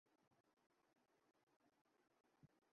গানে কণ্ঠ দিয়েছেন সাবিনা ইয়াসমিন, আব্দুল জব্বার ও সুবীর নন্দী।